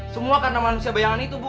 semua karena manusia bayangan itu bu